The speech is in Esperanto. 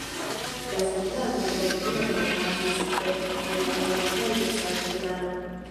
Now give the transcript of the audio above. La setlado de la regiono okazis ek de la Monaĥejo Sankt-Galo.